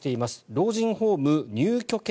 老人ホーム入居権